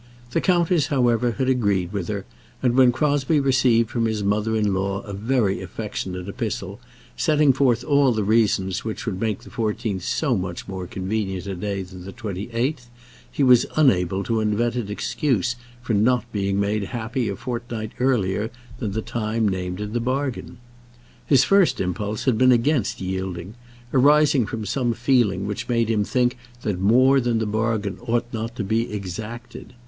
The countess, however, had agreed with her, and when Crosbie received from his mother in law a very affectionate epistle, setting forth all the reasons which would make the fourteenth so much more convenient a day than the twenty eighth, he was unable to invent an excuse for not being made happy a fortnight earlier than the time named in the bargain. His first impulse had been against yielding, arising from some feeling which made him think that more than the bargain ought not to be exacted.